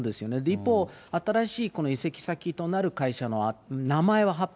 一方、新しいこの移籍先となる会社の名前は発表